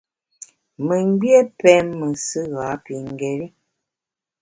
Memgbié pém mesù ghapingéri.